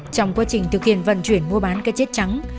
trong quá trình thực hiện vận chuyển mua bán cây chết trắng